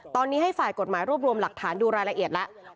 ตอนนี้ให้ฝ่ายกฎหมายรวบรวมหลักฐานดูรายละเอียดแล้ว